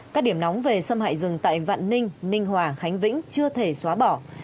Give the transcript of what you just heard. các điểm nóng về xâm hại rừng tại vạn ninh ninh hòa khánh vĩnh chưa thể xóa bỏ